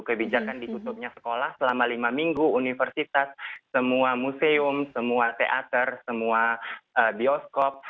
kebijakan ditutupnya sekolah selama lima minggu universitas semua museum semua teater semua bioskop